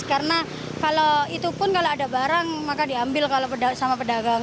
karena kalau itu pun kalau ada barang maka diambil sama pedagang